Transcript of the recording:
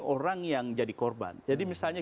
orang yang jadi korban jadi misalnya